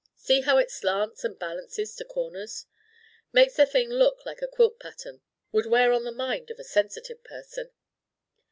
See how it slants and balances to corners. Makes the thing look like a quilt pattern. Would wear on the mind of a sensitive person.